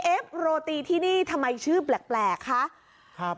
เอ๊บโรตีที่นี่ทำไมชื่อแปลกคะ